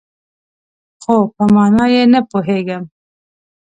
خو، په مانا یې نه پوهیږم